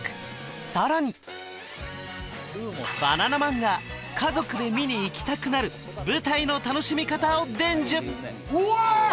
さらにバナナマンが家族で見に行きたくなる舞台の楽しみ方を伝授おわ！